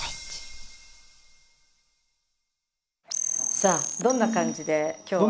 さあどんな感じで今日は。